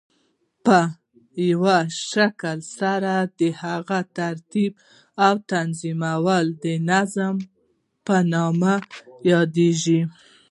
په یوه شکل سره د هغی ترتیب او تنظیمول د نظام په نوم یادیږی.